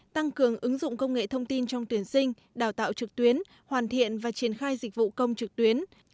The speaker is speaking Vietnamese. tăng cường ứng dụng công nghệ thông tin trong tuyển sinh đào tạo trực tuyến hoàn thiện và triển khai dịch vụ công trực tuyến